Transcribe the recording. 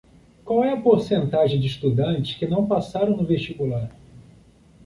Qual é a porcentagem de estudantes que não passaram no vestibular?